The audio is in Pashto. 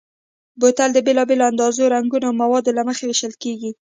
بوتل د بېلابېلو اندازو، رنګونو او موادو له مخې وېشل کېږي.